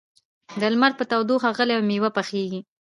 د لمر په تودوخه غلې او مېوې پخېږي.